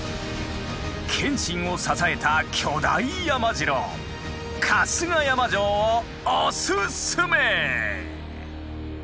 謙信を支えた巨大山城春日山城をおススメ！